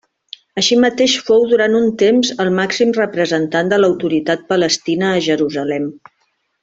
Així mateix fou durant un temps el màxim representant de l'Autoritat Palestina a Jerusalem.